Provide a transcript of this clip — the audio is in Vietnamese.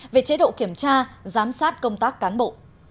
về chế độ kiểm tra giám sát công tác cán bộ